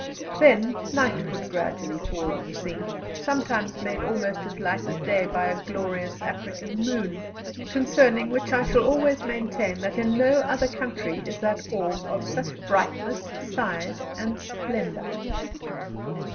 Then night would gradually fall on the scene, sometimes made almost as light as day by a glorious African moon, concerning which I shall always maintain that in no other country is that orb of such brightness, size, and splendour.